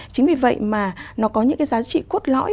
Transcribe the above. chính vì vậy mà nó có những cái giá trị cốt lõi